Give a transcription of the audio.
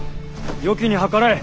よきに計らえ。